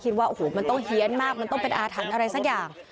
ว่าโอ้โหมันต้องเฮียนมากมันต้องเป็นอาถรรพ์อะไรสักอย่าง